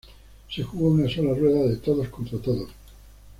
Se jugó una sola rueda de todos contra todos.